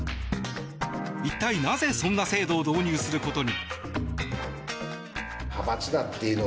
一体なぜそんな制度を導入することに。